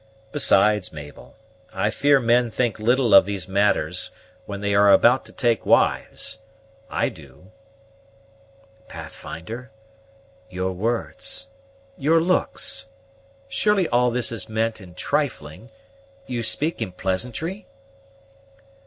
Besides, Mabel, I fear men think little of these matters when they are about to take wives: I do." "Pathfinder, your words, your looks: surely all this is meant in trifling; you speak in pleasantry?"